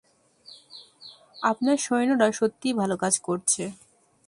আপনার সৈন্যরা সত্যিই ভালো কাজ করছে।